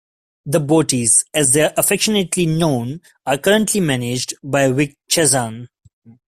The Boaties, as they're affectionately known, are currently managed by Rick Chazan.